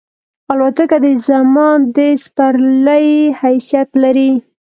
الوتکه د زمان د سپرلۍ حیثیت لري.